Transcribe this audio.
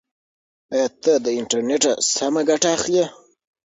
ایا ته له انټرنیټه سمه ګټه اخلې؟